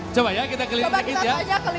coba ya kita keliling sedikit ya